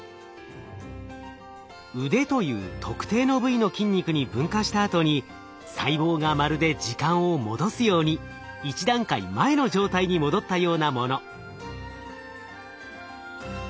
うでという特定の部位の筋肉に分化したあとに細胞がまるで時間を戻すように一段階前の状態に戻ったようなもの。